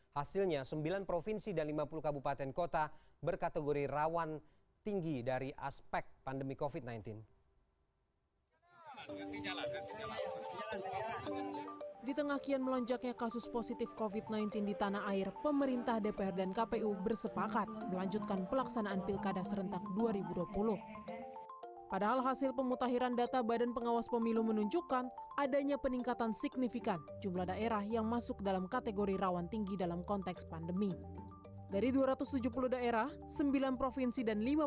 hasilnya sembilan provinsi dan lima puluh kabupaten kota berkategori rawan tinggi dari aspek pandemi covid sembilan belas